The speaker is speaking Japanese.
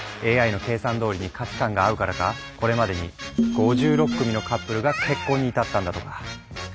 ＡＩの計算どおりに価値観が合うからかこれまでに５６組のカップルが結婚に至ったんだとか。